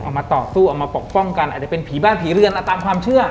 มาต่อสู้เอามาปกป้องกันอาจจะเป็นผีบ้านผีเรือนตามความเชื่อ